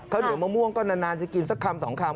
เหนียวมะม่วงก็นานจะกินสักคำสองคำ